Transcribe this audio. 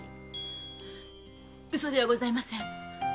嘘ではございません。